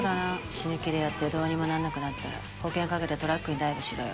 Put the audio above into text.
死ぬ気でやってどうにもなんなくなったら保険掛けてトラックにダイブしろよ。